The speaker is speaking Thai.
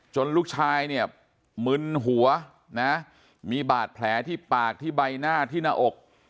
ลูกชายเนี่ยมึนหัวนะมีบาดแผลที่ปากที่ใบหน้าที่หน้าอก